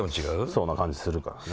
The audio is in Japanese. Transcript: そんな感じするからね。